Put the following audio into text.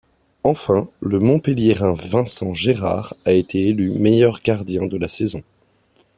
Enfin, le Montpelliérain Vincent Gérard a été élu meilleur gardien de la saison.